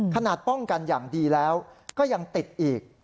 ขนาดป้องกันอย่างดีแล้วก็ยังติดอีก